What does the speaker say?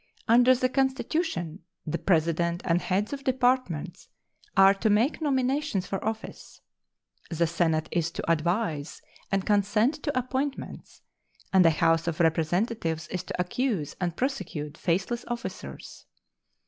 Under the Constitution the President and heads of Departments are to make nominations for office. The Senate is to advise and consent to appointments, and the House of Representatives is to accuse and prosecute faithless officers.